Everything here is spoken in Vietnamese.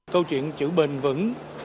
câu chuyện chữ bình vững